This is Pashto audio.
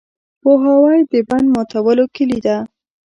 پوهاوی د بند ماتولو کلي ده.